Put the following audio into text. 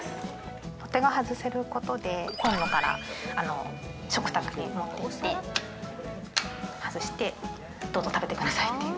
取っ手が外せる事でコンロから食卓に持っていって外して「どうぞ食べてください」っていう。